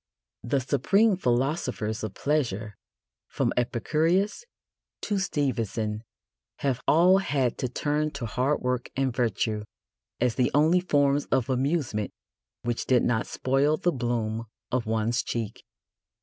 The supreme philosophers of pleasure, from Epicurus to Stevenson, have all had to turn to hard work and virtue as the only forms of amusement which did not spoil the bloom of one's cheek.